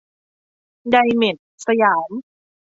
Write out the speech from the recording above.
ไดเมท สยาม